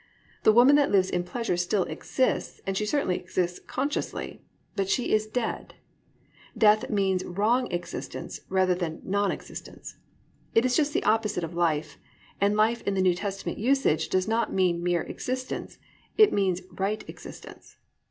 The woman that lives in pleasure still exists, and she certainly exists consciously, but she is "dead." Death means wrong existence rather than non existence. It is just the opposite of life, and life in the New Testament usage does not mean mere existence, it means right existence.